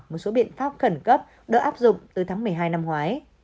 một số biện pháp khẩn cấp được áp dụng từ tháng một mươi hai năm ngoái